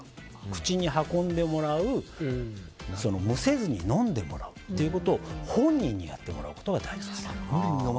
口に運んでもらうむせずに飲んでもらうということを本人にやってもらうことが大事です。